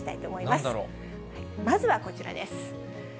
まずはこちらです。